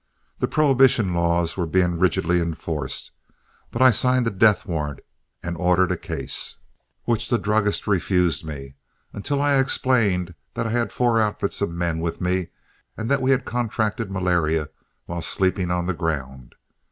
The prohibition laws were being rigidly enforced, but I signed a "death warrant" and ordered a case, which the druggist refused me until I explained that I had four outfits of men with me and that we had contracted malaria while sleeping on the ground.